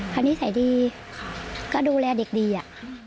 คนนี้ใส่ดีก็ดูแลเด็กดีอ่ะ